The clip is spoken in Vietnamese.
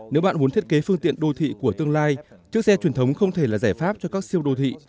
nếu bạn muốn thiết kế phương tiện đô thị của tương lai chiếc xe truyền thống không thể là giải pháp cho các siêu đô thị